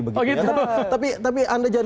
oh gitu tapi anda jangan